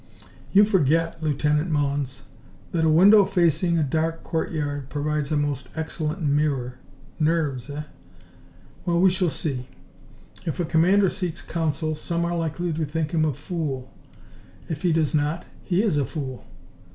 "You forget, Lieutenant Mullins, that a window facing a dark courtyard provides a most excellent mirror. Nerves, eh? Well, we shall see. If a commander seeks counsel, some are likely to think him a fool. If he does not, he is a fool.